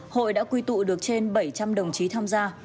hội đã quy tụ được trên bảy trăm linh đồng chí tham gia